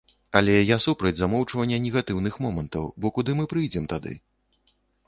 Але я супраць замоўчвання негатыўных момантаў, бо куды мы прыйдзем тады?